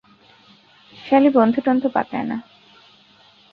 সালি বন্ধু-টন্ধু পাতায় না।